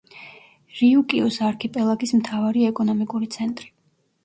რიუკიუს არქიპელაგის მთავარი ეკონომიკური ცენტრი.